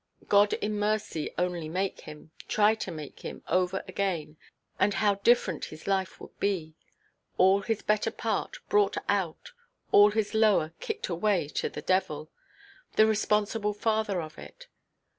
God in mercy only make him, try to make him, over again, and how different his life would be. All his better part brought out; all his lower kicked away to the devil, the responsible father of it.